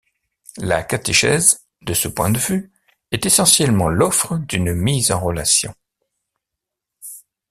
La catéchèse, de ce point de vue, est essentiellement l’offre d’une mise en relation.